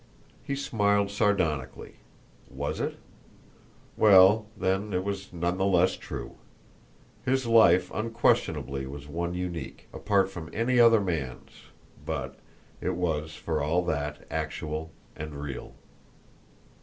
He smiled sardonically. Was it? Well, then, it was none the less true. His life unquestionably was one unique, apart from any other man's, but it was, for all that, actual and real.